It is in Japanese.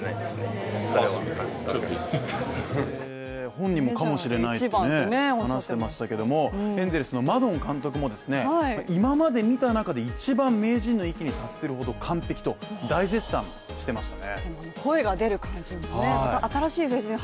本人もかもしれないとも話してましたけども、エンゼルスのマドン監督も今まで見た中で一番名人の域に達するほど完璧と大絶賛してました